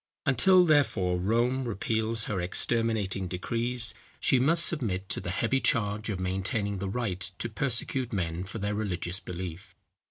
Until, therefore, Rome repeals her exterminating decrees, she must submit to the heavy charge of maintaining the right to persecute men for their religious belief.